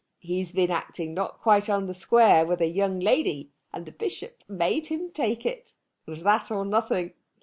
He's been acting not quite on the square with a young lady, and the Bishop made him take it. It was that or nothing."